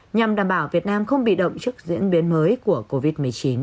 nhằm đảm bảo việt nam không bị động trước diễn biến mới của covid một mươi chín